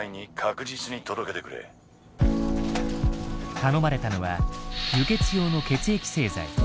頼まれたのは輸血用の血液製剤。